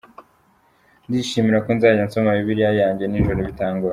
Ndishimira ko nzajya nsoma bibiliya yanjye nijoro bitangoye.